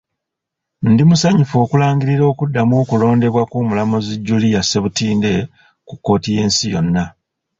Ndi musanyufu okulangirira okuddamu okulondebwa kw'omulamuzi Julia Ssebutinde ku kkooti y'ensi yonna.